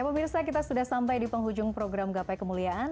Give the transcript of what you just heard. pemirsa kita sudah sampai di penghujung program gapai kemuliaan